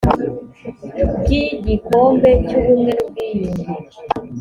ry igikombe cy ubumwe n ubwiyunge